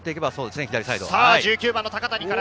１９番・高谷から。